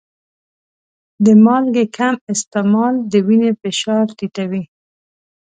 د مالګې کم استعمال د وینې فشار ټیټوي.